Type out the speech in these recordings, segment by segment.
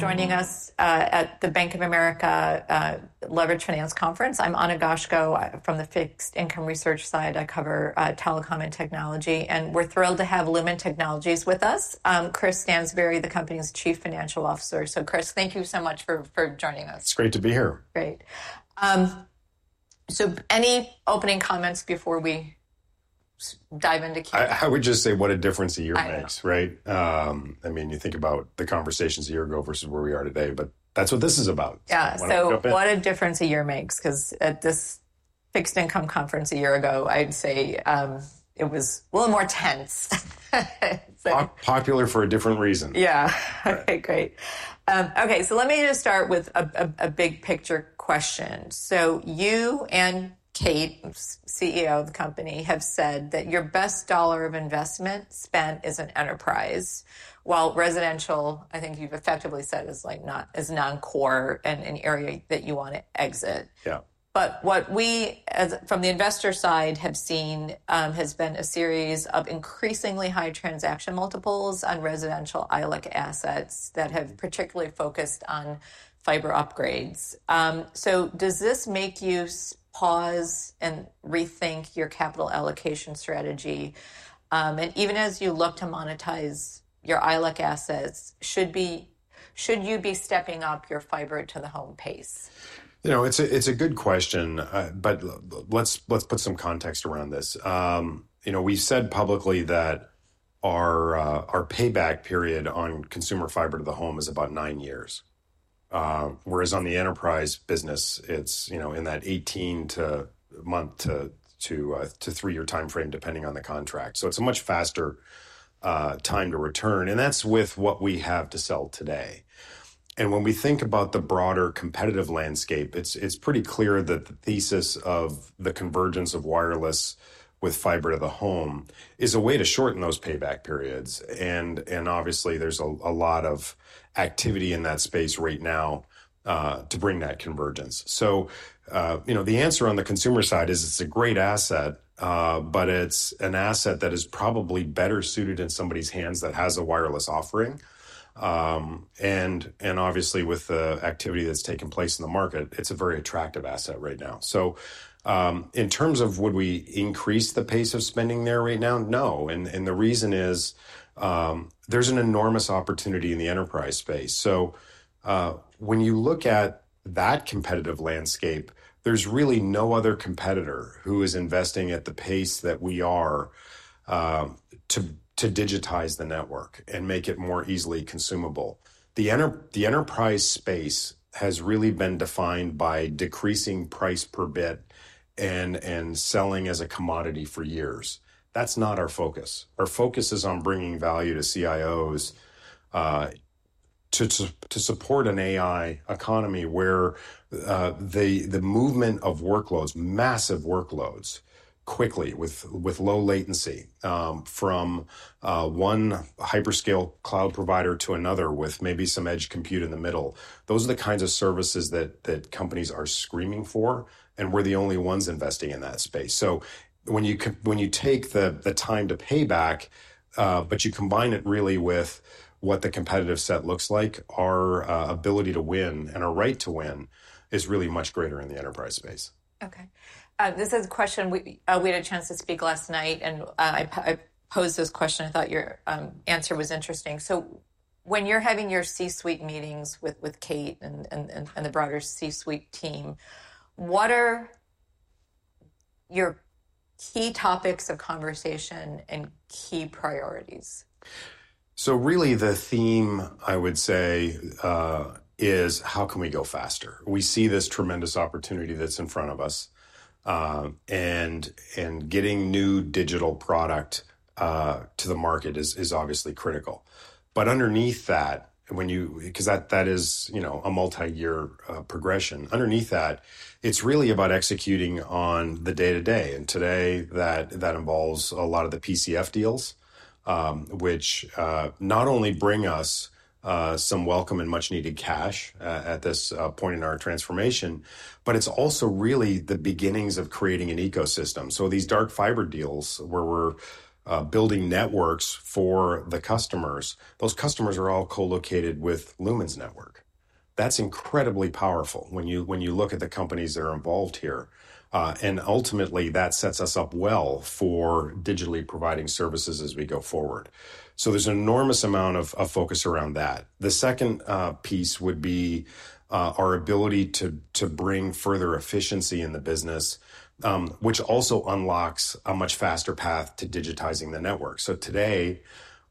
Joining us at the Bank of America Leveraged Finance Conference. I'm Ana Goshko from the fixed income research side. I cover telecom and technology, and we're thrilled to have Lumen Technologies with us. Chris Stansbury, the company's Chief Financial Officer. So, Chris, thank you so much for joining us. It's great to be here. Great. So, any opening comments before we dive into Kate? I would just say what a difference a year makes, right? I mean, you think about the conversations a year ago versus where we are today, but that's what this is about. Yeah. So, what a difference a year makes, because at this fixed income conference a year ago, I'd say it was a little more tense. Popular for a different reason. Yeah. Okay, great. Okay, so let me just start with a big picture question. So, you and Kate, CEO of the company, have said that your best dollar of investment spent is an enterprise, while residential, I think you've effectively said, is not as non-core and an area that you want to exit. Yeah. But what we, from the investor side, have seen has been a series of increasingly high transaction multiples on residential ILEC assets that have particularly focused on fiber upgrades. So, does this make you pause and rethink your capital allocation strategy? And even as you look to monetize your ILEC assets, should you be stepping up your fiber-to-the-home pace? You know, it's a good question, but let's put some context around this. You know, we've said publicly that our payback period on consumer fiber-to-the-home is about nine years, whereas on the enterprise business, it's in that 18- to 24-month to three-year timeframe, depending on the contract. So, it's a much faster time to return, and that's with what we have to sell today, and when we think about the broader competitive landscape, it's pretty clear that the thesis of the convergence of wireless with fiber-to-the-home is a way to shorten those payback periods. And obviously, there's a lot of activity in that space right now to bring that convergence. So, you know, the answer on the consumer side is it's a great asset, but it's an asset that is probably better suited in somebody's hands that has a wireless offering. And obviously, with the activity that's taken place in the market, it's a very attractive asset right now. So, in terms of would we increase the pace of spending there right now? No. And the reason is there's an enormous opportunity in the enterprise space. So, when you look at that competitive landscape, there's really no other competitor who is investing at the pace that we are to digitize the network and make it more easily consumable. The enterprise space has really been defined by decreasing price per bit and selling as a commodity for years. That's not our focus. Our focus is on bringing value to CIOs to support an AI economy where the movement of workloads, massive workloads, quickly, with low latency from one hyperscale cloud provider to another with maybe some edge compute in the middle. Those are the kinds of services that companies are screaming for, and we're the only ones investing in that space, so when you take the time to pay back, but you combine it really with what the competitive set looks like, our ability to win and our right to win is really much greater in the enterprise space. Okay. This is a question we had a chance to speak last night, and I posed this question. I thought your answer was interesting. So, when you're having your C-suite meetings with Kate and the broader C-suite team, what are your key topics of conversation and key priorities? So, really, the theme, I would say, is how can we go faster? We see this tremendous opportunity that's in front of us, and getting new digital product to the market is obviously critical. But underneath that, because that is a multi-year progression, underneath that, it's really about executing on the day-to-day. And today, that involves a lot of the PCF deals, which not only bring us some welcome and much-needed cash at this point in our transformation, but it's also really the beginnings of creating an ecosystem. So, these dark fiber deals where we're building networks for the customers, those customers are all co-located with Lumen's network. That's incredibly powerful when you look at the companies that are involved here. And ultimately, that sets us up well for digitally providing services as we go forward. So, there's an enormous amount of focus around that. The second piece would be our ability to bring further efficiency in the business, which also unlocks a much faster path to digitizing the network. So, today,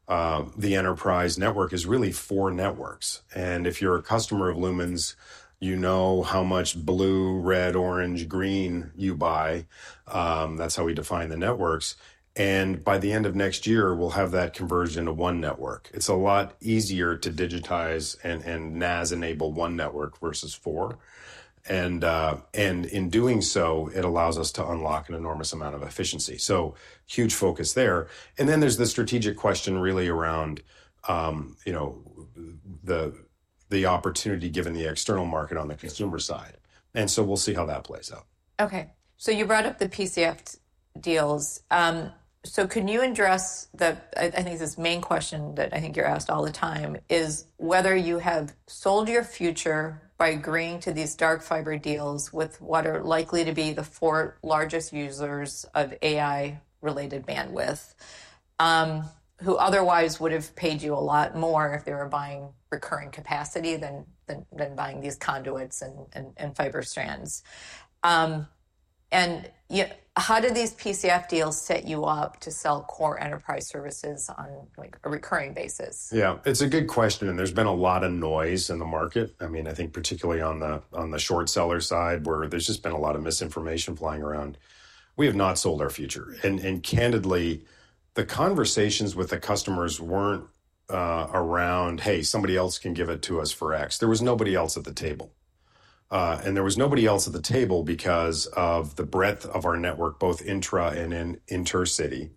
the enterprise network is really four networks. And if you're a customer of Lumen's, you know how much blue, red, orange, green you buy. That's how we define the networks. And by the end of next year, we'll have that converged into one network. It's a lot easier to digitize and NaaS-enabled one network versus four. And in doing so, it allows us to unlock an enormous amount of efficiency. So, huge focus there. And then there's the strategic question really around the opportunity given the external market on the consumer side. And so, we'll see how that plays out. Okay. So, you brought up the PCF deals. So, can you address the, I think this is the main question that I think you're asked all the time, is whether you have sold your future by agreeing to these dark fiber deals with what are likely to be the four largest users of AI-related bandwidth, who otherwise would have paid you a lot more if they were buying recurring capacity than buying these conduits and fiber strands? And how did these PCF deals set you up to sell core enterprise services on a recurring basis? Yeah, it's a good question, and there's been a lot of noise in the market. I mean, I think particularly on the short seller side, where there's just been a lot of misinformation flying around. We have not sold our future, and candidly, the conversations with the customers weren't around, "Hey, somebody else can give it to us for X." There was nobody else at the table, and there was nobody else at the table because of the breadth of our network, both intra and intercity,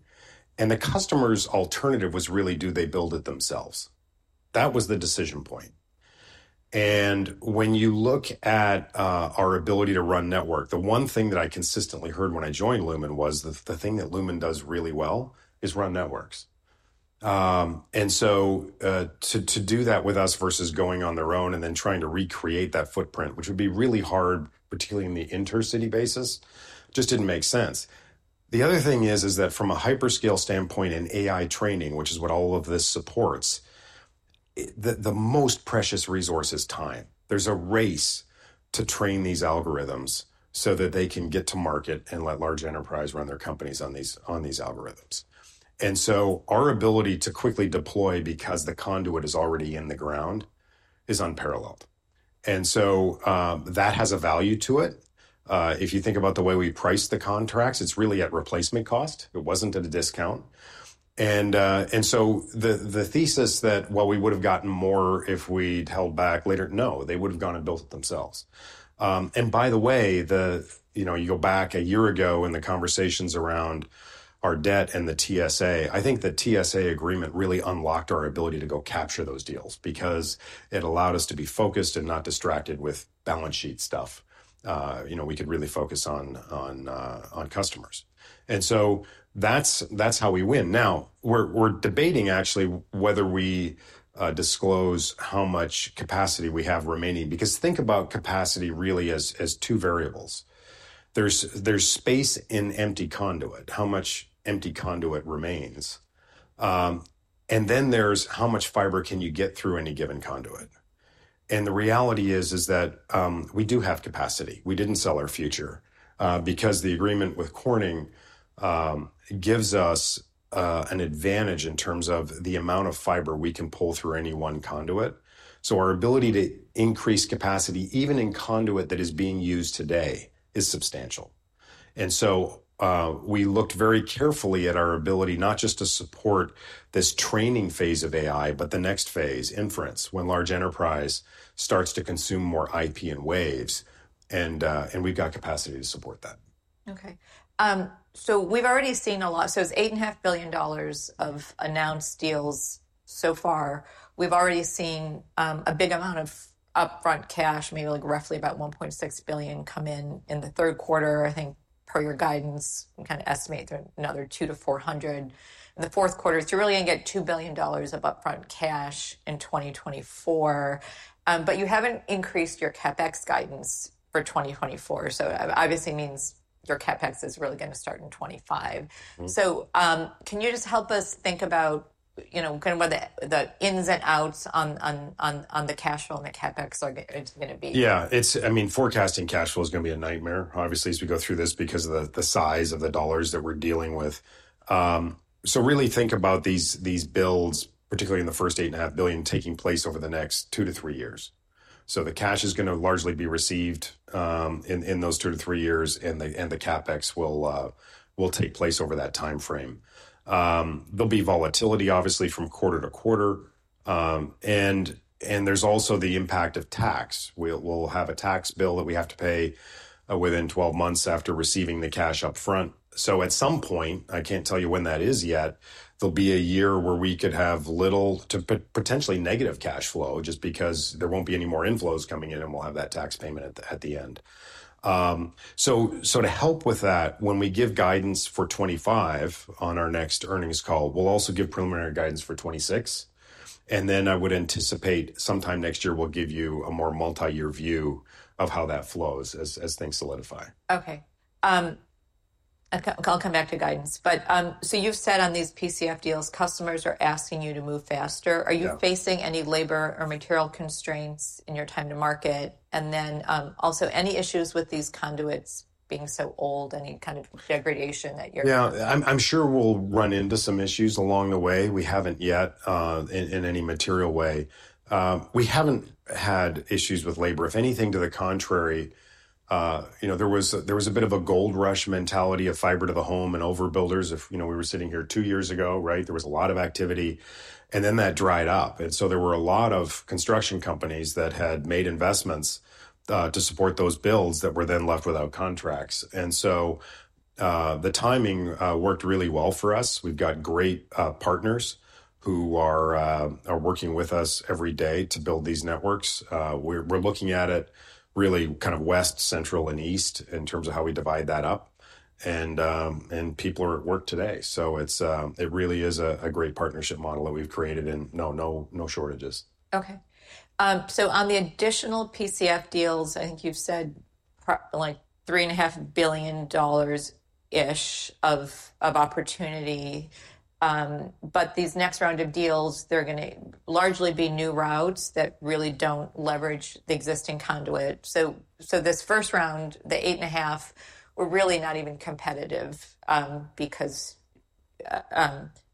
and the customer's alternative was really, do they build it themselves? That was the decision point, and when you look at our ability to run network, the one thing that I consistently heard when I joined Lumen was the thing that Lumen does really well is run networks. And so, to do that with us versus going on their own and then trying to recreate that footprint, which would be really hard, particularly in the intercity basis, just didn't make sense. The other thing is that from a hyperscale standpoint and AI training, which is what all of this supports, the most precious resource is time. There's a race to train these algorithms so that they can get to market and let large enterprise run their companies on these algorithms. And so, our ability to quickly deploy because the conduit is already in the ground is unparalleled. And so, that has a value to it. If you think about the way we price the contracts, it's really at replacement cost. It wasn't at a discount. And so, the thesis that well, we would have gotten more if we'd held back later. No, they would have gone and built themselves. And by the way, you go back a year ago in the conversations around our debt and the TSA. I think the TSA agreement really unlocked our ability to go capture those deals because it allowed us to be focused and not distracted with balance sheet stuff. We could really focus on customers. And so, that's how we win. Now, we're debating actually whether we disclose how much capacity we have remaining, because think about capacity really as two variables. There's space in empty conduit, how much empty conduit remains. And then there's how much fiber can you get through any given conduit. And the reality is that we do have capacity. We didn't sell our future because the agreement with Corning gives us an advantage in terms of the amount of fiber we can pull through any one conduit. So, our ability to increase capacity, even in conduit that is being used today, is substantial. And so, we looked very carefully at our ability not just to support this training phase of AI, but the next phase, inference, when large enterprise starts to consume more IP and waves, and we've got capacity to support that. Okay. So, we've already seen a lot. So, it's $8.5 billion of announced deals so far. We've already seen a big amount of upfront cash, maybe roughly about $1.6 billion come in in the third quarter, I think, per your guidance. We kind of estimate another $200-$400 in the fourth quarter, so you're really going to get $2 billion of upfront cash in 2024. But you haven't increased your CapEx guidance for 2024. So, obviously, it means your CapEx is really going to start in 2025. So, can you just help us think about kind of what the ins and outs on the cash flow and the CapEx are going to be? Yeah. I mean, forecasting cash flow is going to be a nightmare, obviously, as we go through this because of the size of the dollars that we're dealing with. So, really think about these builds, particularly in the first $8.5 billion, taking place over the next two to three years. So, the cash is going to largely be received in those two to three years, and the CapEx will take place over that timeframe. There'll be volatility, obviously, from quarter to quarter. And there's also the impact of tax. We'll have a tax bill that we have to pay within 12 months after receiving the cash upfront. So, at some point, I can't tell you when that is yet, there'll be a year where we could have little to potentially negative cash flow just because there won't be any more inflows coming in, and we'll have that tax payment at the end. So, to help with that, when we give guidance for 2025 on our next earnings call, we'll also give preliminary guidance for 2026. And then I would anticipate sometime next year, we'll give you a more multi-year view of how that flows as things solidify. Okay. I'll come back to guidance. But so, you've said on these PCF deals, customers are asking you to move faster. Are you facing any labor or material constraints in your time to market? And then also, any issues with these conduits being so old, any kind of degradation that you're? Yeah, I'm sure we'll run into some issues along the way. We haven't yet in any material way. We haven't had issues with labor. If anything, to the contrary, there was a bit of a gold rush mentality of fiber-to-the-home and overbuilders. If we were sitting here two years ago, right, there was a lot of activity, and then that dried up. And so, there were a lot of construction companies that had made investments to support those builds that were then left without contracts. And so, the timing worked really well for us. We've got great partners who are working with us every day to build these networks. We're looking at it really kind of west, central, and east in terms of how we divide that up. And people are at work today. So, it really is a great partnership model that we've created, and no shortages. Okay. So, on the additional PCF deals, I think you've said like $3.5 billion-ish of opportunity. But these next round of deals, they're going to largely be new routes that really don't leverage the existing conduit. So, this first round, the $8.5 billion, we're really not even competitive because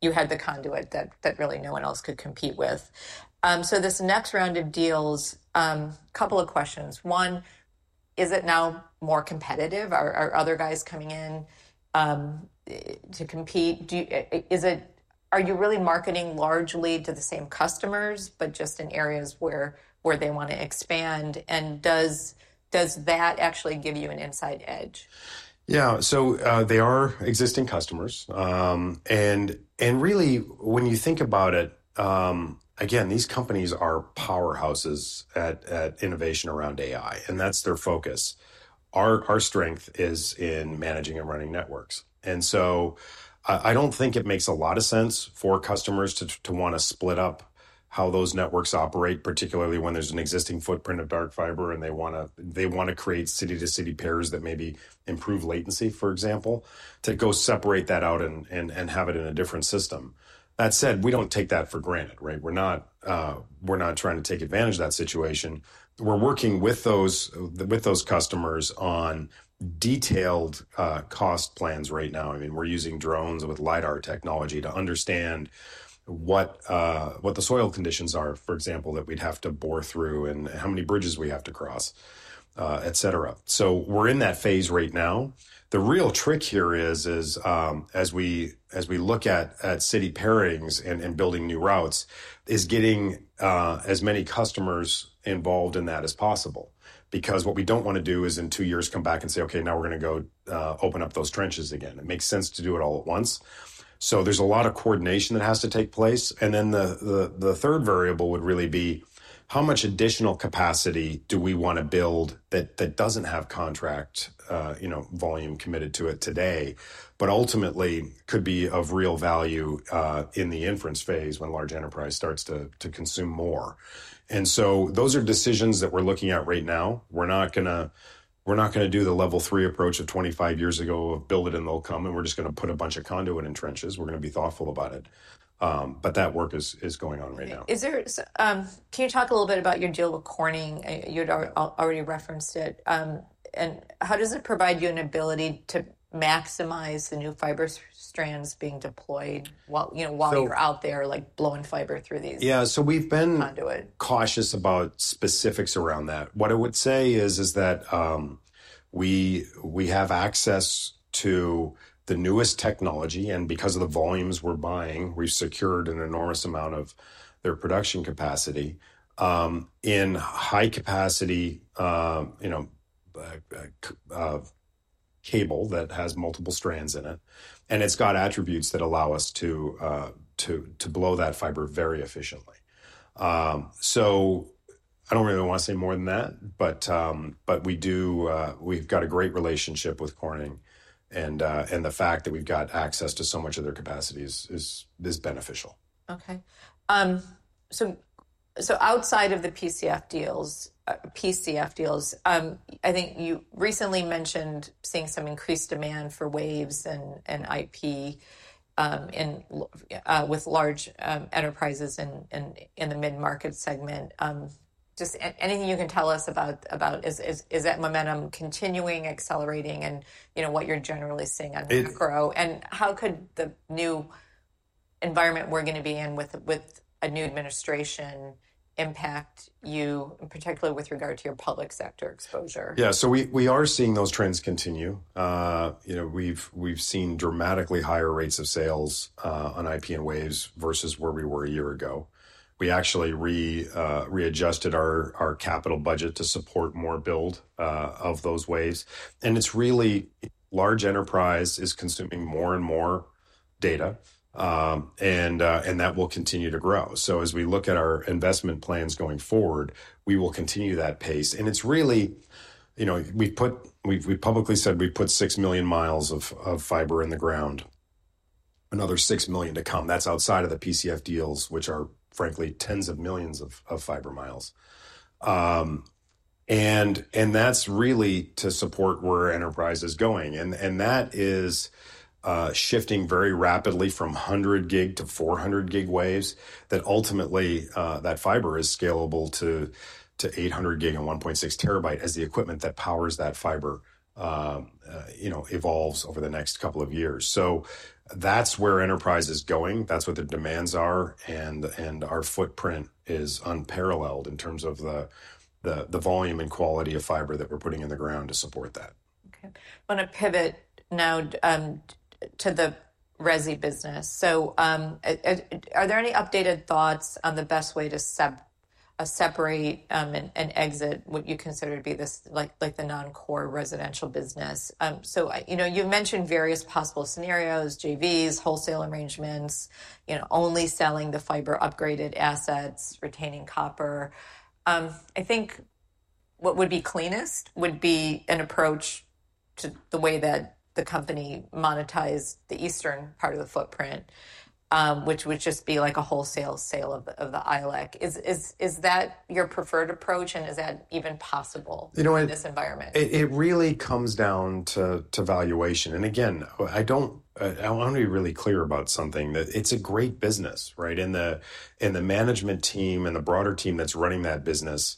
you had the conduit that really no one else could compete with. So, this next round of deals, a couple of questions. One, is it now more competitive? Are other guys coming in to compete? Are you really marketing largely to the same customers, but just in areas where they want to expand? And does that actually give you an inside edge? Yeah. So, they are existing customers. And really, when you think about it, again, these companies are powerhouses at innovation around AI, and that's their focus. Our strength is in managing and running networks. And so, I don't think it makes a lot of sense for customers to want to split up how those networks operate, particularly when there's an existing footprint of dark fiber, and they want to create city-to-city pairs that maybe improve latency, for example, to go separate that out and have it in a different system. That said, we don't take that for granted, right? We're not trying to take advantage of that situation. We're working with those customers on detailed cost plans right now. I mean, we're using drones with LiDAR technology to understand what the soil conditions are, for example, that we'd have to bore through, and how many bridges we have to cross, etc. So, we're in that phase right now. The real trick here is, as we look at city pairings and building new routes, getting as many customers involved in that as possible. Because what we don't want to do is in two years come back and say, "Okay, now we're going to go open up those trenches again." It makes sense to do it all at once. So, there's a lot of coordination that has to take place. And then the third variable would really be how much additional capacity do we want to build that doesn't have contract volume committed to it today, but ultimately could be of real value in the inference phase when large enterprise starts to consume more. And so, those are decisions that we're looking at right now. We're not going to do the Level 3 approach of 25 years ago of build it and they'll come, and we're just going to put a bunch of conduit in trenches. We're going to be thoughtful about it. But that work is going on right now. Can you talk a little bit about your deal with Corning? You'd already referenced it. And how does it provide you an ability to maximize the new fiber strands being deployed while you're out there blowing fiber through these conduits? Yeah, so we've been cautious about specifics around that. What I would say is that we have access to the newest technology. And because of the volumes we're buying, we've secured an enormous amount of their production capacity in high-capacity cable that has multiple strands in it. And it's got attributes that allow us to blow that fiber very efficiently. So, I don't really want to say more than that, but we've got a great relationship with Corning. And the fact that we've got access to so much of their capacity is beneficial. Okay. So, outside of the PCF deals, I think you recently mentioned seeing some increased demand for waves and IP with large enterprises in the mid-market segment. Just anything you can tell us about, is that momentum continuing, accelerating, and what you're generally seeing on macro? And how could the new environment we're going to be in with a new administration impact you, particularly with regard to your public sector exposure? Yeah, so we are seeing those trends continue. We've seen dramatically higher rates of sales on IP and waves versus where we were a year ago. We actually readjusted our capital budget to support more build of those waves. And it's really large enterprise is consuming more and more data, and that will continue to grow. So, as we look at our investment plans going forward, we will continue that pace. And it's really, we publicly said we put six million miles of fiber in the ground, another six million to come. That's outside of the PCF deals, which are frankly tens of millions of fiber miles. And that's really to support where enterprise is going. That is shifting very rapidly from 100G to 400G waves that ultimately, that fiber is scalable to 800G and 1.6TB as the equipment that powers that fiber evolves over the next couple of years. That's where enterprise is going. That's what the demands are. Our footprint is unparalleled in terms of the volume and quality of fiber that we're putting in the ground to support that. Okay. I want to pivot now to the resi business. So, are there any updated thoughts on the best way to separate and exit what you consider to be the non-core residential business? So, you mentioned various possible scenarios, JVs, wholesale arrangements, only selling the fiber upgraded assets, retaining copper. I think what would be cleanest would be an approach to the way that the company monetizes the eastern part of the footprint, which would just be like a wholesale sale of the ILEC. Is that your preferred approach, and is that even possible in this environment? It really comes down to valuation, and again, I want to be really clear about something, that it's a great business, right? And the management team and the broader team that's running that business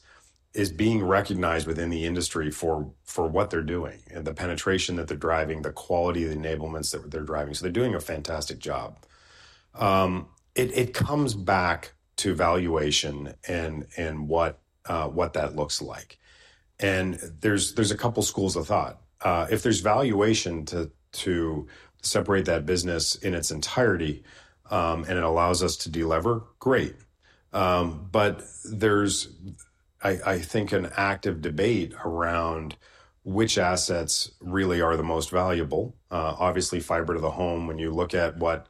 is being recognized within the industry for what they're doing and the penetration that they're driving, the quality of the enablements that they're driving, so they're doing a fantastic job. It comes back to valuation and what that looks like, and there's a couple of schools of thought. If there's valuation to separate that business in its entirety and it allows us to deliver, great, but there's, I think, an active debate around which assets really are the most valuable. Obviously, fiber-to-the-home, when you look at what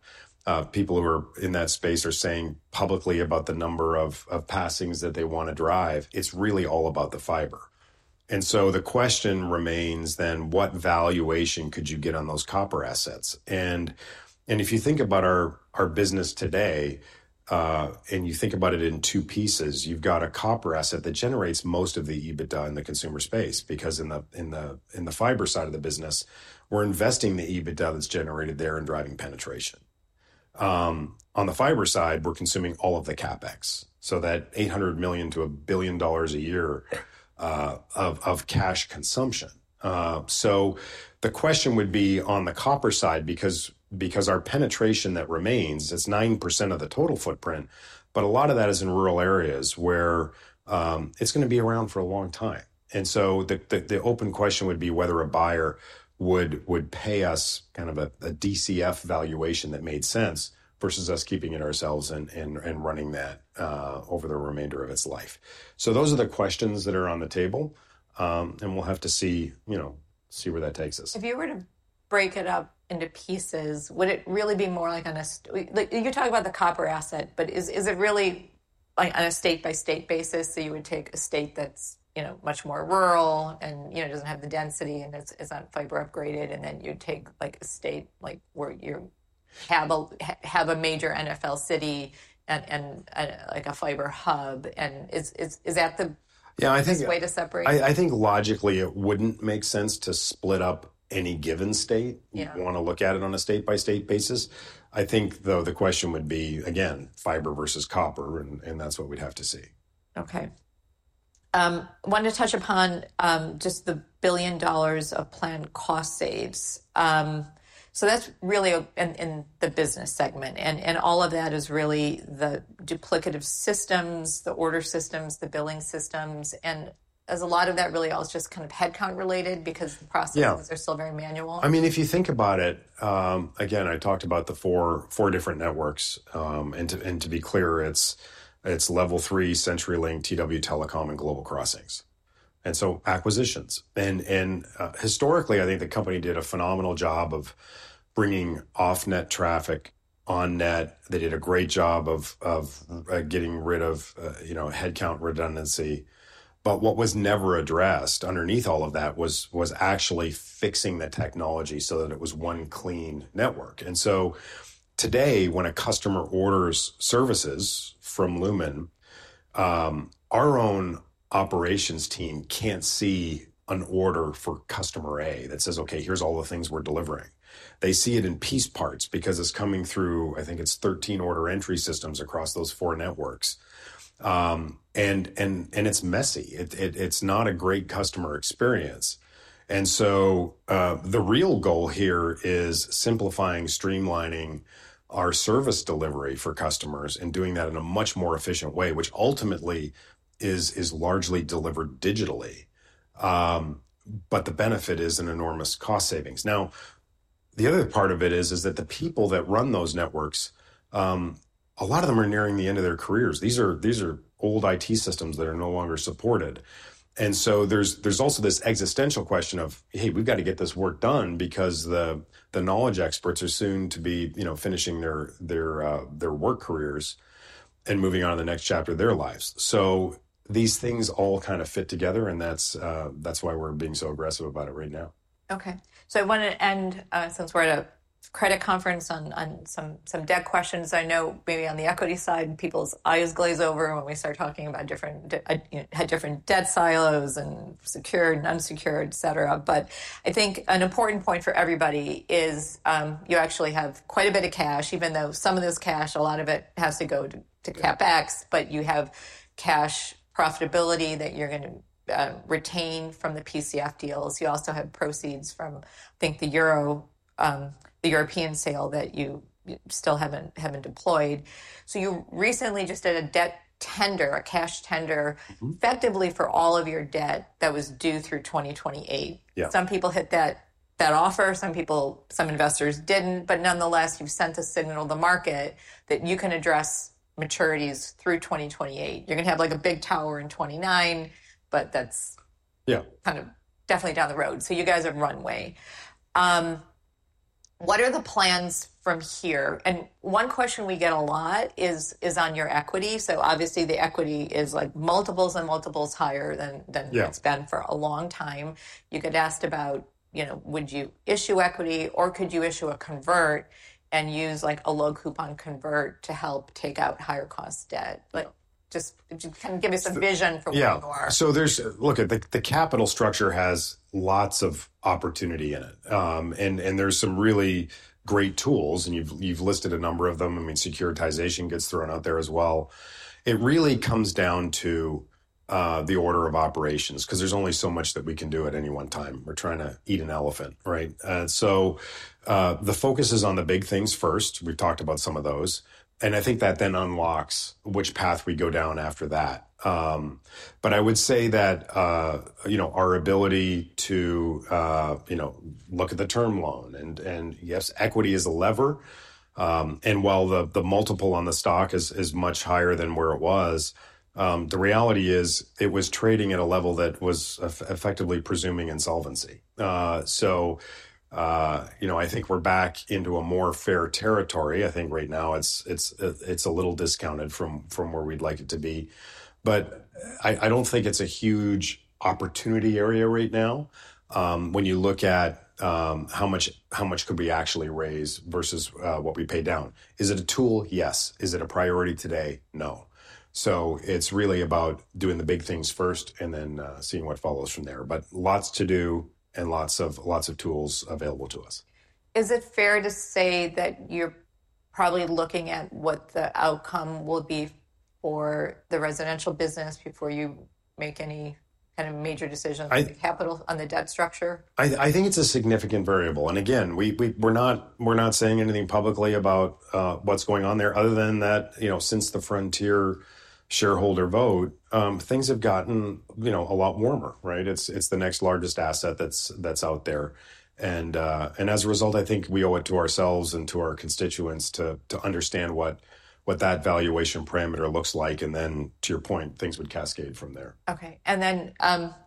people who are in that space are saying publicly about the number of passings that they want to drive, it's really all about the fiber. And so, the question remains then, what valuation could you get on those copper assets? And if you think about our business today and you think about it in two pieces, you've got a copper asset that generates most of the EBITDA in the consumer space because in the fiber side of the business, we're investing the EBITDA that's generated there and driving penetration. On the fiber side, we're consuming all of the CapEx. So, that $800 million-$1 billion a year of cash consumption. So, the question would be on the copper side because our penetration that remains, it's 9% of the total footprint, but a lot of that is in rural areas where it's going to be around for a long time. And so, the open question would be whether a buyer would pay us kind of a DCF valuation that made sense versus us keeping it ourselves and running that over the remainder of its life. So, those are the questions that are on the table, and we'll have to see where that takes us. If you were to break it up into pieces, would it really be more like, on a, you're talking about the copper asset, but is it really on a state-by-state basis, so you would take a state that's much more rural and doesn't have the density and isn't fiber upgraded, and then you'd take a state where you have a major NFL city and a fiber hub, and is that the best way to separate? Yeah, I think logically, it wouldn't make sense to split up any given state if you want to look at it on a state-by-state basis. I think, though, the question would be, again, fiber versus copper, and that's what we'd have to see. Okay. I want to touch upon just the $1 billion of planned cost saves, so that's really in the business segment, and all of that is really the duplicative systems, the order systems, the billing systems, and a lot of that really all is just kind of headcount related because the processes are still very manual. I mean, if you think about it, again, I talked about the four different networks. And to be clear, it's Level 3, CenturyLink, tw telecom, and Global Crossing. And so, acquisitions. And historically, I think the company did a phenomenal job of bringing off-net traffic on net. They did a great job of getting rid of headcount redundancy. But what was never addressed underneath all of that was actually fixing the technology so that it was one clean network. And so, today, when a customer orders services from Lumen, our own operations team can't see an order for customer A that says, "Okay, here's all the things we're delivering." They see it in piece parts because it's coming through, I think it's 13 order entry systems across those four networks. And it's messy. It's not a great customer experience. And so, the real goal here is simplifying, streamlining our service delivery for customers and doing that in a much more efficient way, which ultimately is largely delivered digitally. But the benefit is an enormous cost savings. Now, the other part of it is that the people that run those networks, a lot of them are nearing the end of their careers. These are old IT systems that are no longer supported. And so, there's also this existential question of, "Hey, we've got to get this work done because the knowledge experts are soon to be finishing their work careers and moving on to the next chapter of their lives." So, these things all kind of fit together, and that's why we're being so aggressive about it right now. Okay. So, I want to end, since we're at a credit conference, on some debt questions. I know maybe on the equity side, people's eyes glaze over when we start talking about different debt silos and secure, non-secure, et cetera. But I think an important point for everybody is you actually have quite a bit of cash, even though some of this cash, a lot of it has to go to CapEx, but you have cash profitability that you're going to retain from the PCF deals. You also have proceeds from, I think, the European sale that you still haven't deployed. So, you recently just did a debt tender, a cash tender, effectively for all of your debt that was due through 2028. Some people hit that offer. Some investors didn't. But nonetheless, you've sent a signal to the market that you can address maturities through 2028. You're going to have like a big tower in 2029, but that's kind of definitely down the road. So, you guys have runway. What are the plans from here? And one question we get a lot is on your equity. So, obviously, the equity is multiples and multiples higher than it's been for a long time. You get asked about, would you issue equity or could you issue a convert and use a low-coupon convert to help take out higher-cost debt? Just kind of give us a vision for where you are. Yeah. So, look, the capital structure has lots of opportunity in it. And there's some really great tools, and you've listed a number of them. I mean, securitization gets thrown out there as well. It really comes down to the order of operations because there's only so much that we can do at any one time. We're trying to eat an elephant, right? So, the focus is on the big things first. We've talked about some of those. And I think that then unlocks which path we go down after that. But I would say that our ability to look at the term loan and yes, equity is a lever. And while the multiple on the stock is much higher than where it was, the reality is it was trading at a level that was effectively presuming insolvency. So, I think we're back into a more fair territory. I think right now it's a little discounted from where we'd like it to be. But I don't think it's a huge opportunity area right now when you look at how much could we actually raise versus what we pay down. Is it a tool? Yes. Is it a priority today? No. It's really about doing the big things first and then seeing what follows from there. But lots to do and lots of tools available to us. Is it fair to say that you're probably looking at what the outcome will be for the residential business before you make any kind of major decisions on the capital on the debt structure? I think it's a significant variable. And again, we're not saying anything publicly about what's going on there. Other than that, since the Frontier shareholder vote, things have gotten a lot warmer, right? It's the next largest asset that's out there. And as a result, I think we owe it to ourselves and to our constituents to understand what that valuation parameter looks like. And then, to your point, things would cascade from there. Okay. And then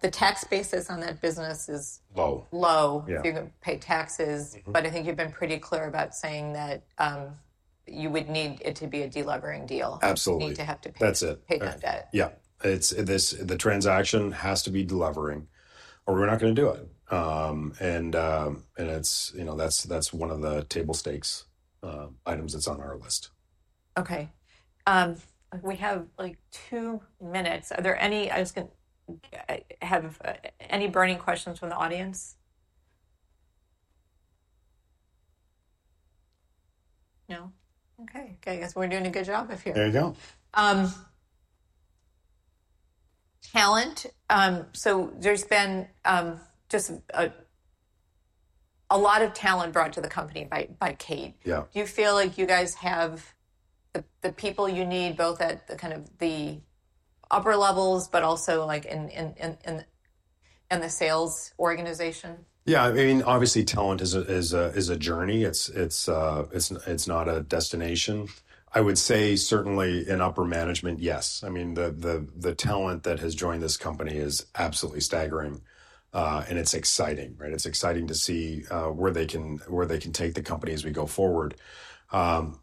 the tax basis on that business is low. You don't pay taxes. But I think you've been pretty clear about saying that you would need it to be a delivering deal. Absolutely. You need to pay that debt. Yeah. The transaction has to be delivering, or we're not going to do it. And that's one of the table stakes items that's on our list. Okay. We have like two minutes. Are there any burning questions from the audience? No? Okay. I guess we're doing a good job of here. There you go. Talent. So, there's been just a lot of talent brought to the company by Kate. Do you feel like you guys have the people you need both at kind of the upper levels, but also in the sales organization? Yeah. I mean, obviously, talent is a journey. It's not a destination. I would say certainly in upper management, yes. I mean, the talent that has joined this company is absolutely staggering. And it's exciting, right? It's exciting to see where they can take the company as we go forward.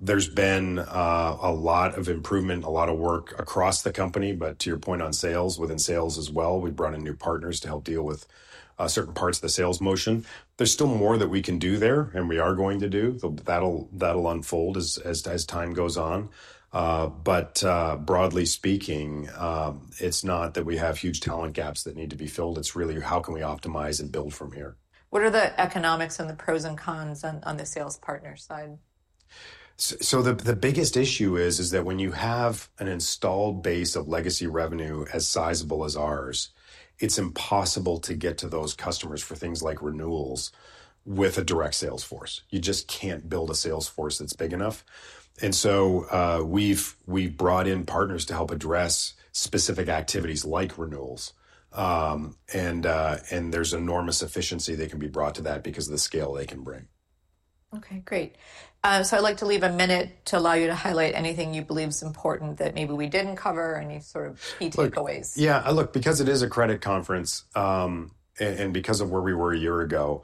There's been a lot of improvement, a lot of work across the company. But to your point on sales, within sales as well, we've brought in new partners to help deal with certain parts of the sales motion. There's still more that we can do there and we are going to do. That'll unfold as time goes on. But broadly speaking, it's not that we have huge talent gaps that need to be filled. It's really how can we optimize and build from here. What are the economics and the pros and cons on the sales partner side? The biggest issue is that when you have an installed base of legacy revenue as sizable as ours, it's impossible to get to those customers for things like renewals with a direct sales force. You just can't build a sales force that's big enough. We've brought in partners to help address specific activities like renewals. There's enormous efficiency that can be brought to that because of the scale they can bring. Okay. Great. So, I'd like to leave a minute to allow you to highlight anything you believe is important that maybe we didn't cover or any sort of key takeaways. Yeah. Look, because it is a credit conference and because of where we were a year ago,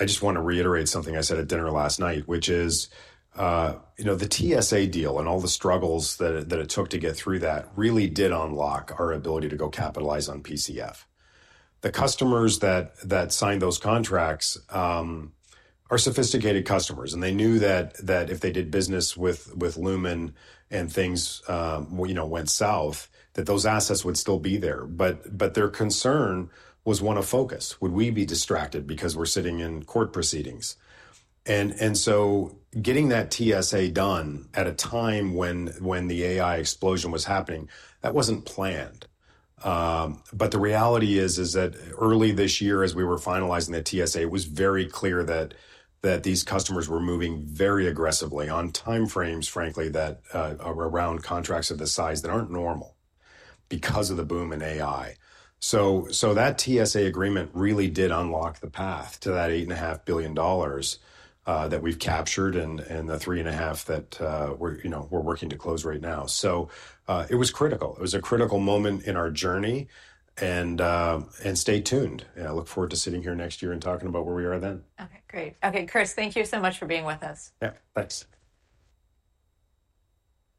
I just want to reiterate something I said at dinner last night, which is the TSA deal and all the struggles that it took to get through that really did unlock our ability to go capitalize on PCF. The customers that signed those contracts are sophisticated customers. And they knew that if they did business with Lumen and things went south, that those assets would still be there. But their concern was one of focus. Would we be distracted because we're sitting in court proceedings? And so, getting that TSA done at a time when the AI explosion was happening, that wasn't planned. But the reality is that early this year, as we were finalizing the TSA, it was very clear that these customers were moving very aggressively on timeframes, frankly, that are around contracts of the size that aren't normal because of the boom in AI. So, that TSA agreement really did unlock the path to that $8.5 billion that we've captured and the $3.5 billion that we're working to close right now. So, it was critical. It was a critical moment in our journey. And stay tuned. I look forward to sitting here next year and talking about where we are then. Okay. Great. Okay. Chris, thank you so much for being with us. Yeah. Thanks.